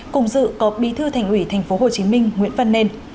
cùng dự có bí thư thành ủy tp hcm nguyễn văn nên